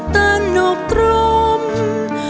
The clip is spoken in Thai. แต่หนกร่วง